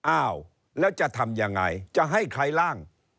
อ้าวแล้วจะทำยังไงจะให้ใครล่าง